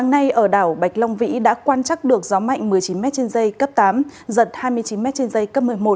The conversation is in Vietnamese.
mỹ đã quan trắc được gió mạnh một mươi chín m trên dây cấp tám giật hai mươi chín m trên dây cấp một mươi một